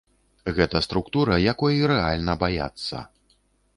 Гэта структура, якой рэальна баяцца.